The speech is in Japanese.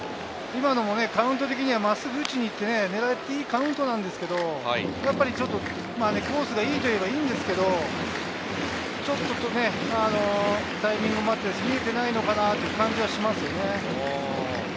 今のもカウント的には真っすぐを打ちにいって、狙っていいカウントなんですけれど、やっぱりコースが言いと言えばいいんですけれど、ちょっとタイミングを待ってるし、見えてないのかなって感じがしますね。